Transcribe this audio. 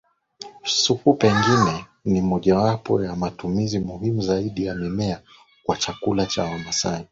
Supu pengine ni mmojawapo ya matumizi muhimu zaidi ya mimea kwa chakula cha Wamasai